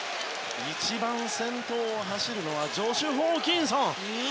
一番先頭を走るのはジョシュ・ホーキンソン。